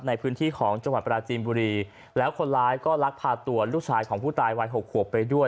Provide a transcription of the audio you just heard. ในพื้นที่ของจังหวัดปราจีนบุรีแล้วคนร้ายก็ลักพาตัวลูกชายของผู้ตายวัยหกขวบไปด้วย